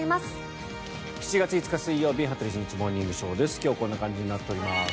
７月５日、水曜日「羽鳥慎一モーニングショー」。今日はこんな感じになっております。